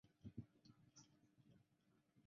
埃斯帕尔龙。